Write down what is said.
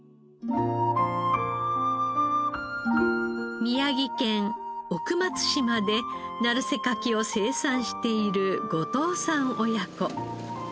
宮城県奥松島で鳴瀬かきを生産している後藤さん親子。